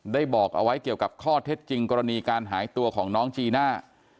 บอกเอาไว้เกี่ยวกับข้อเท็จจริงกรณีการหายตัวของน้องจีน่า